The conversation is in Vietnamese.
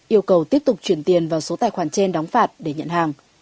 yêu cầu tiếp tục chuyển tiền vào số tài khoản trên đóng phạt để nhận hàng